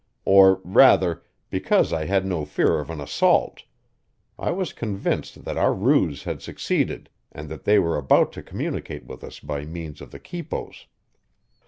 Or rather, because I had no fear of an assault I was convinced that our ruse had succeeded, and that they were about to communicate with us by means of the quipos.